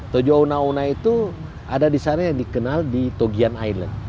tojo una una itu ada di sana yang dikenal di togian island